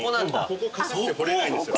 ここ硬くて彫れないんですよ。